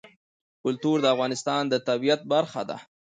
کلتور د افغانستان د طبیعت برخه ده.